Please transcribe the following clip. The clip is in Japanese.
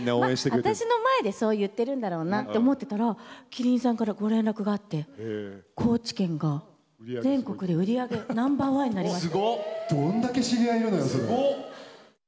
私の前でそう言ってるんだろうなと思ってたら麒麟さんからご連絡があって高知県が全国で売り上げナンバー１になりましたって。